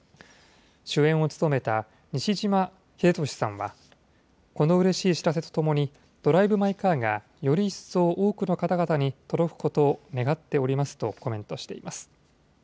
主演を務めた西島秀俊さんは、このうれしい知らせと共にドライブ・マイ・カーが、より一層多くの方々に届くことを願っておりますとコメントしています。